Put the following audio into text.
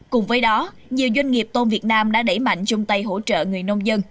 cùng với đó nhiều doanh nghiệp tôm việt nam đã đẩy mạnh chung tay hỗ trợ người nông dân